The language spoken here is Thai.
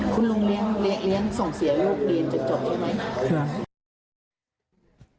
คุณลูกอีกอย่างส่องเสียลูกเรียนจบไหม